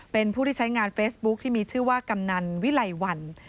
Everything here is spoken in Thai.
เป็นผู้ที่ใช้งานเฟซบุ๊คที่มีชื่อว่ากำนันวิไลวัน